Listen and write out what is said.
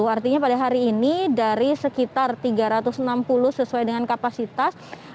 artinya pada hari ini dari sekitar tiga ratus enam puluh sesuai dengan kapasitas